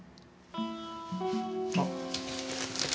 あっ。